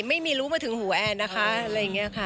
ไม่รู้มาถึงหูแอนนะคะอะไรอย่างนี้ค่ะ